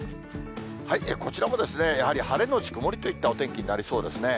こちらもですね、やはり晴れ後曇りといったお天気になりそうですね。